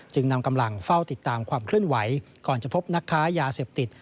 นำกำลังเฝ้าติดตามความเคลื่อนไหวก่อนจะพบนักค้ายาเสพติด